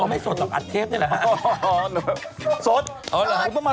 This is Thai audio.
ไม่สดหรอกอัดเทปนี่แหละฮะ